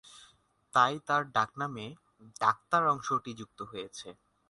তাই তার ডাকনামে "ডাক্তার" অংশটি যুক্ত হয়েছে।